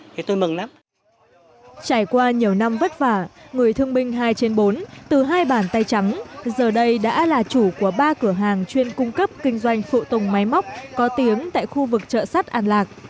trải qua nhiều năm vất vả người thương binh hai trên bốn từ hai bàn tay trắng giờ đây đã là chủ của ba cửa hàng chuyên cung cấp kinh doanh phụ tùng máy móc có tiếng tại khu vực chợ sắt an lạc